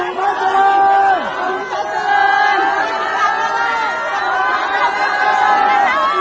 สงฆาตเจริญสงฆาตเจริญสงฆาตเจริญ